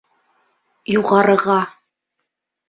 Юғарыға!